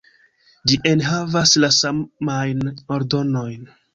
Ĝi enhavas la samajn ordonojn.